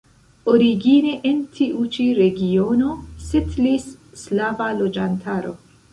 Origine en tiu ĉi regiono setlis slava loĝantaro.